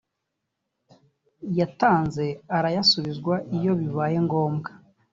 yatanze arayasubizwa iyo bibaye ngombwa